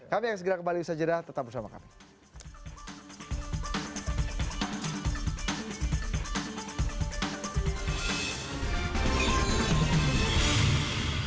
kami yang segera kembali bersajar tetap bersama kami